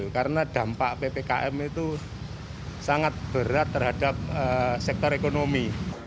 karena dampak ppkm itu sangat berat terhadap sektor ekonomi